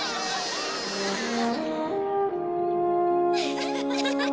フフフフ！